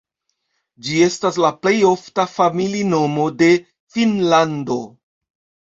Ĝi estas la plej ofta familinomo de Finnlando.